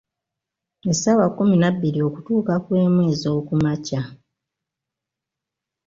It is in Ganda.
Essaawa kkumi na bbiri okutuuka ku emu ez’oku makya.